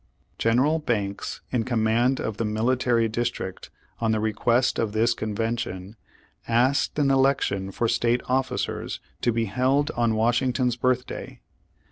General Banks, in command of the military district, on the re quest of this convention, asked an election for state officers, to be held on Washington's birthday.